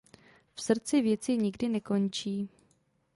V srdci věci nikdy nekončí.